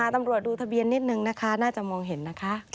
ตำรวจดูทะเบียนนิดนึงนะคะน่าจะมองเห็นนะคะ